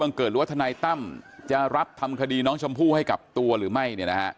เกิดหรือว่าทนายตั้มจะรับทำคดีน้องชมพู่ให้กับตัวหรือไม่